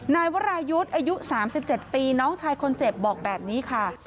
นายวรายุทรอายุสามสิบเจ็บปีน้องชายคนเจ็บบอกแบบนี้ค่ะ